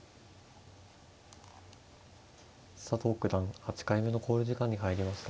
佐藤九段８回目の考慮時間に入りました。